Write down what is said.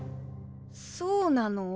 そうなの！？